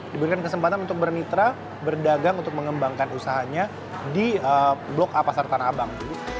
diberikan kesempatan untuk bermitra berdagang untuk mengembangkan usahanya di blok a pasar tanah abang